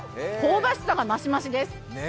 香ばしさが増し増しです。